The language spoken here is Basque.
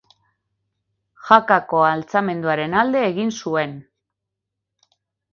Jakako altxamenduaren alde egin zuen.